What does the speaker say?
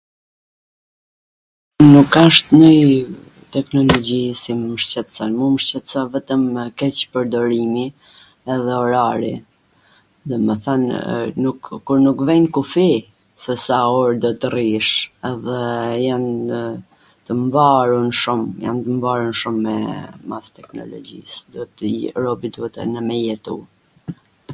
nuk asht nji tekonologji si mw shqetson, mu m shqetson vetwmw keqpwrdorimi edhe orari, domethan kur nuk ve kufi se sa or do tw rrish edhe jan tw mvarun shum, jan tw mvarun shum mbas teknologjis, robi duhet edhe me jetu